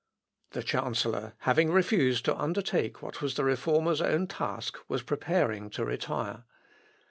The chancellor having refused to undertake what was the Reformer's own task, was preparing to retire.